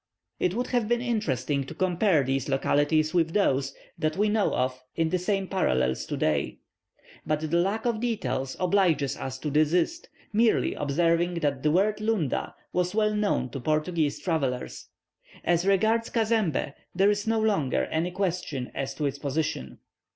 It would have been interesting to compare these localities with those that we know of in the same parallels to day; but the lack of details obliges us to desist, merely observing that the word Lunda was well known to Portuguese travellers. As regards Cazembé, there is no longer any question as to its position.